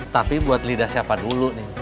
tapi buat lidah siapa dulu nih